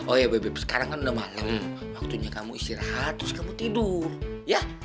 oh iya bebe sekarang kan udah malem waktunya kamu istirahat terus kamu tidur ya